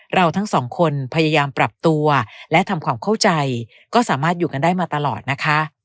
เราทั้งสองคนพยายามปรับตัวและทำความเข้าใจก็สามารถอยู่กันได้มาตลอดนะคะ